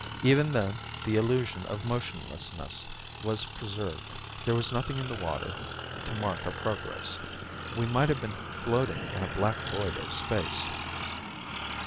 Even then the illusion of motionlessness was preserved. There was nothing in the water to mark our progress. We might have been floating in a back void of space.